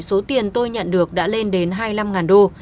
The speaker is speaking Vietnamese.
số tiền tôi nhận được đã lên đến hai mươi năm đô